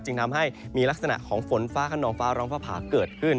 ทำให้มีลักษณะของฝนฟ้าขนองฟ้าร้องฟ้าผ่าเกิดขึ้น